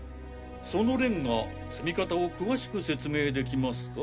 そのレンガ積み方を詳しく説明できますか？